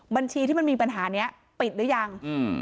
บัญชีที่มันมีปัญหานี้ปิดหรือยังอืม